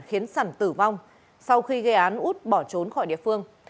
khiến sản tử vong sau khi gây án út bỏ trốn khỏi địa phương